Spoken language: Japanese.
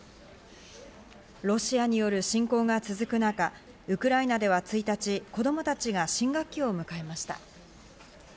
ロシアによる侵攻が続く中、ウクライナでは１日、子供たちが新学期を迎えました。